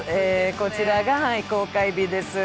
こちらが公開日です。